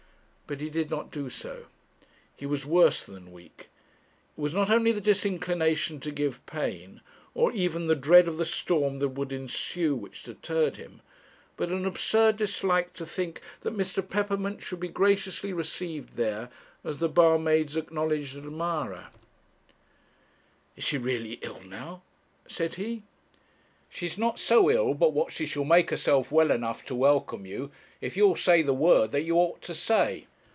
But he did not do so. He was worse than weak. It was not only the disinclination to give pain, or even the dread of the storm that would ensue, which deterred him; but an absurd dislike to think that Mr. Peppermint should be graciously received there as the barmaid's acknowledged admirer. 'Is she really ill now?' said he. 'She's not so ill but what she shall make herself well enough to welcome you, if you'll say the word that you ought to say.